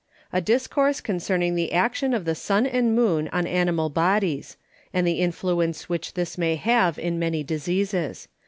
_A Discourse concerning the Action of the Sun and Moon on Animal Bodies; and the Influence which This may have in many Diseases.